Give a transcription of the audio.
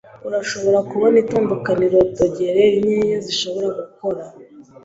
Urashobora kubona itandukaniro dogere nkeya zishobora gukora.